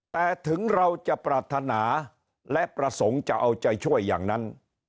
แต่ถึงเราจะปรารถนาและประสงค์จะเอาใจช่วยอย่างนั้น